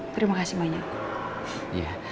terima kasih banyak